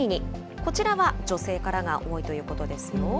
こちらは女性からが多いということですよ。